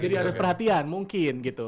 jadi harus perhatian mungkin gitu